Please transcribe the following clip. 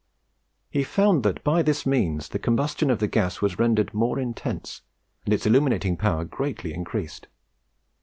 He found that by this means the combustion of the gas was rendered more intense, and its illuminating power greatly increased.